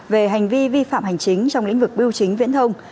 về hành vi vi phạm hành chính trong lĩnh vực biểu chính viễn thông